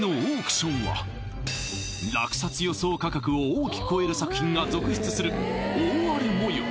落札予想価格を大きく超える作品が続出する大荒れ模様